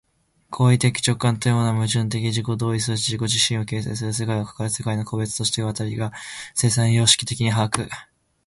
行為的直観というのは、矛盾的自己同一として自己自身を形成する世界を、かかる世界の個物として我々が生産様式的に把握することである。